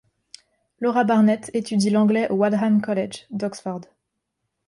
Laura Barnett étudie l'anglais au Wadham College d'Oxford.